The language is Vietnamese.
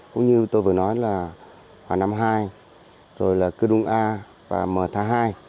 cũng như tôi vừa nói là hoàng nam hai rồi là cư đung a và m tha hai